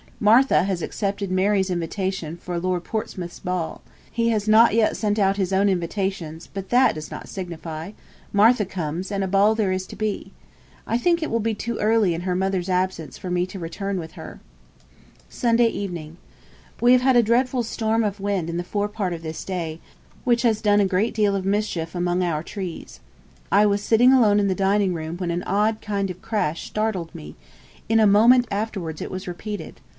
Martha has accepted Mary's invitation for Lord Portsmouth's ball. He has not yet sent out his own invitations, but that does not signify; Martha comes, and a ball there is to be. I think it will be too early in her mother's absence for me to return with her. 'Sunday Evening. We have had a dreadful storm of wind in the fore part of this day, which has done a great deal of mischief among our trees. I was sitting alone in the dining room when an odd kind of crash startled me in a moment afterwards it was repeated.